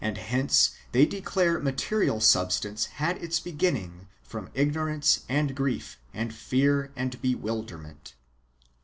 9 hence they declare material substance^ had its beginning from ignorance and grief, and fear and bewilderment.